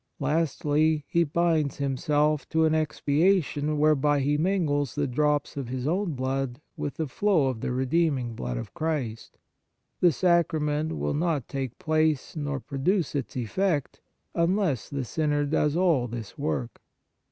Lastly, he binds himself to an expiation whereby he mingles the drops of his own blood with the flow of the redeeming blood of Christ. The Sacrament will not take place nor produce its effect, unless the sinner does all this work.